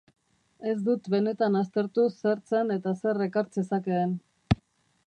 Ez dut benetan aztertu zer zen eta zer ekar zezakeen.